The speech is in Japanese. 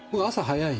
早い。